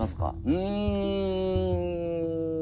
うん。